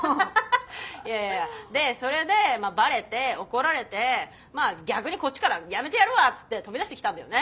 いやいやでそれでバレて怒られてまあ逆にこっちから辞めてやるわっつって飛び出してきたんだよね。